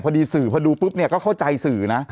พอดีสื่อพอดูเปลื้บก็เข้าใจสื่อนะ